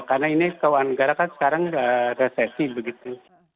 karena ini keuangan negara kan sekarang resesi begitu